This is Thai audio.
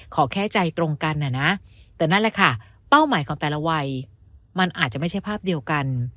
ขอแค่ใจตรงกันนะนะแต่นั่นแหละค่ะเป้าหมายของแต่ละวัยมันอาจจะไม่ใช่ภาพเดียวกัน